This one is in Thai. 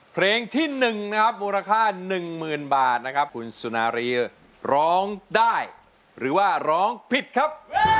เพลงที่๑มูลค่า๑๐๐๐๐บาทคุณสุนารีร้องได้หรือว่าร้องผิดครับ